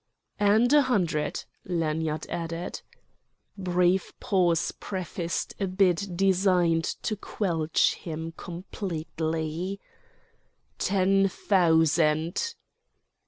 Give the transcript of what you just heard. "And a hundred," Lanyard added. Brief pause prefaced a bid designed to squelch him completely: "Ten thousand!"